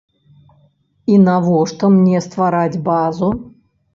І навошта мне ствараць базу?